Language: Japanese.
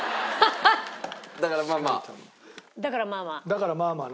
「だからまあまあ」？